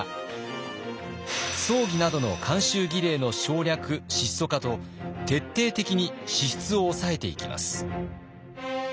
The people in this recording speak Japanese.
葬儀などの慣習儀礼の省略質素化と徹底的に支出を抑えていきます。